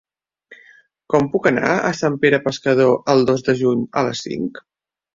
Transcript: Com puc anar a Sant Pere Pescador el dos de juny a les cinc?